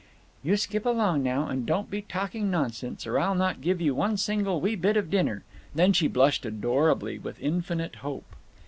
"You skip along now, and don't be talking nonsense, or I'll not give you one single wee bit of dinner!" Then she blushed adorably, with infinite hope.